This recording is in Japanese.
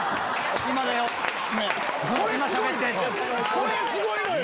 これすごいのよ。